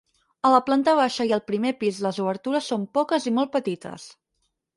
A la planta baixa i al primer pis les obertures són poques i molt petites.